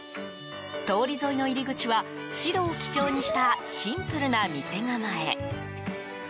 通り沿いの入り口は白を基調にしたシンプルな店構え。